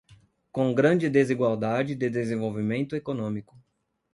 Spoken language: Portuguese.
com grande desigualdade de desenvolvimento econômico